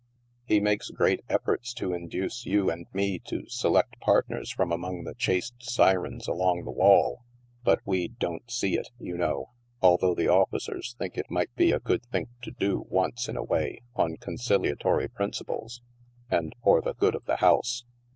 He makes great efforts to induce you and me to select partners from among the chaste syrens along the walls, but we " don't see it," you know, although the officers think it might be a good think to do, once in a way, on conciliatory principles and " for the good of the house."